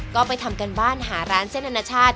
ก็ไปทำการบ้านหาร้านเส้นอนาชาติ